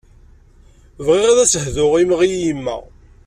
Bɣiɣ ad as-hduɣ imɣi i yemma.